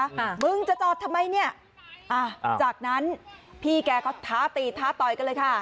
ค่ะมึงจะจอดทำไมเนี้ยอ่าจากนั้นพี่แกก็ท้าตีท้าต่อยกันเลยค่ะ